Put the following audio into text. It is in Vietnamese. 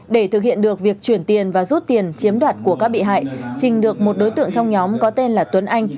để thực hiện được việc chuyển tiền và rút tiền chiếm đoạt của các bị hại trình được một đối tượng trong nhóm có tên là tuấn anh